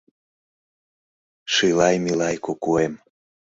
Шилай-милай кукуэм